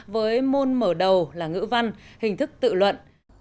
với môn mở đầu là ngữ văn hình thức tự luận